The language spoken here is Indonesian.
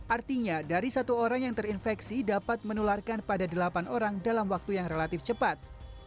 artinya dari satu orang yang terinfeksi dapat menularkan pada delapan orang dalam waktu yang relatif cepat